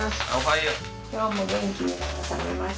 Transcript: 今日も元気に目が覚めました。